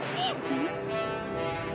うん？